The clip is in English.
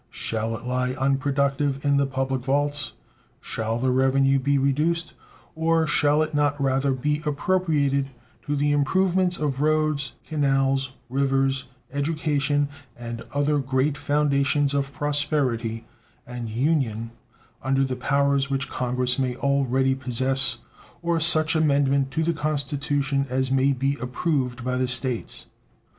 Shall it lie unproductive in the public vaults? Shall the revenue be reduced? Or shall it not rather be appropriated to the improvements of roads, canals, rivers, education, and other great foundations of prosperity and union under the powers which Congress may already possess or such amendment to the Constitution as may be approved by the States?